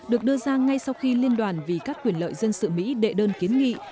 được đưa ra ngay sau khi liên đoàn vì các quyền lợi dân sự mỹ đệ đơn kiến nghị